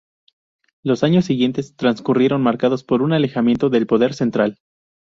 Los años siguientes transcurrieron marcados por un alejamiento del poder central.